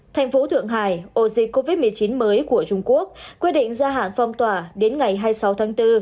thành phố thượng hải ổ dịch covid một mươi chín mới của trung quốc quyết định gia hạn phong tỏa đến ngày hai mươi sáu tháng bốn